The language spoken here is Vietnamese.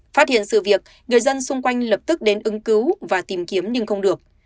phát hiện sự việc người dân xung quanh lập tức đến ứng cứu và tìm kiếm nhưng không được